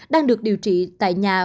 đang được điều trị tại nhà